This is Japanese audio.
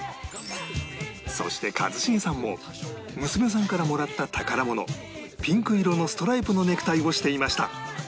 そして一茂さんも娘さんからもらった宝物ピンク色のストライプのネクタイをしていました